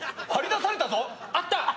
あった！